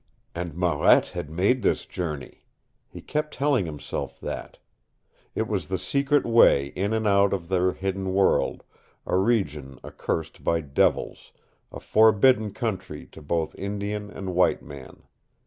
And Marette had made this journey! He kept telling himself that. It was the secret way in and out of their hidden world, a region accursed by devils, a forbidden country to both Indian and white man.